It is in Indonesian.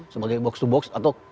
sebagai box to box